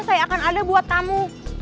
saya akan ada buat tamu